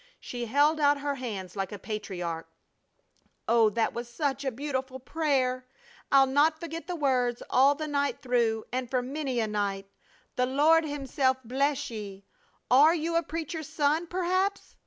She held out her hands like a patriarch: "Oh, that was such a beautiful prayer! I'll not forget the words all the night through and for many a night. The Lord Himself bless ye! Are you a preacher's son, perhaps?"